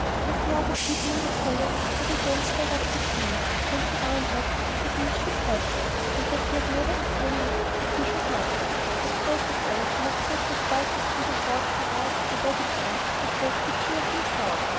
But the other people in the palace had again stirred up the King, and he answered that the youth should have her, and that he had never intended that he should not; but first of all he must get her quite as good a horse to ride to the wedding on as that which he had himself.